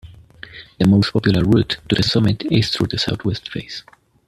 The most popular route to the summit is through the south west face.